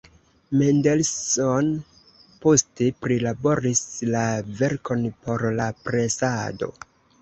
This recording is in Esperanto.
Mendelssohn poste prilaboris la verkon por la presado.